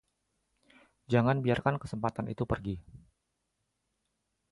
Jangan biarkan kesempatan itu pergi.